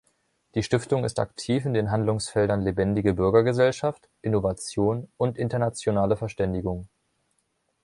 Die Stiftung ist aktiv in den Handlungsfeldern Lebendige Bürgergesellschaft, Innovation und Internationale Verständigung.